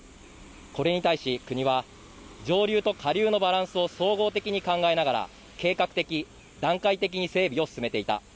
これに対し国は上流と下流のバランスを総合的に考えながら計画的、段階的に整備を進めていた。